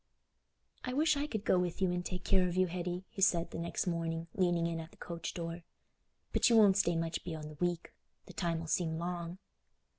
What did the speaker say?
"I wish I could go with you and take care of you, Hetty," he said, the next morning, leaning in at the coach door; "but you won't stay much beyond a week—the time 'ull seem long."